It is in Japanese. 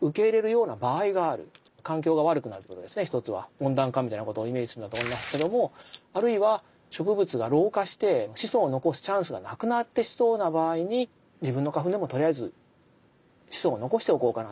温暖化みたいなことをイメージするんだと思いますけどもあるいは植物が老化して子孫を残すチャンスがなくなってきそうな場合に自分の花粉でもとりあえず子孫を残しておこうかなっていう。